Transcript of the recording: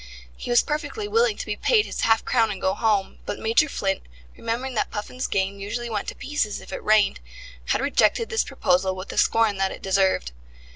He was perfectly willing to be paid his half crown and go home, but Major Flint, remembering that Puffin's game usually went to pieces if it rained, had rejected this proposal with the scorn that it deserved.